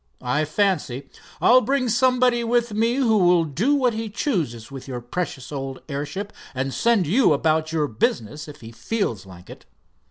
"I fancy. I'll bring somebody with me who will do what he chooses with your precious old airship, and send you about your business, if he feels like it."